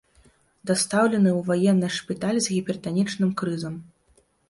Дастаўлены ў ваенны шпіталь з гіпертанічным крызам.